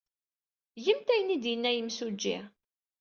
Gemt ayen ay d-yenna yimsujji.